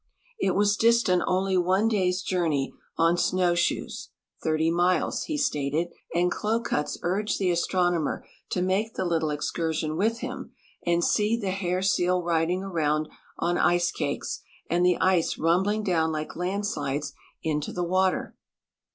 It was distant only one day's journey on snow shoes (30 miles), be stated, and Kloh Kutz urged the astronomer to make the little excursion with him and see the hair seal riding around on ice cakes and the ice rumbling down like landslides into the water.